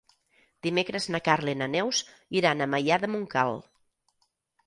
Dimecres na Carla i na Neus iran a Maià de Montcal.